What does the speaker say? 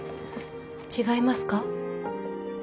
違いますか？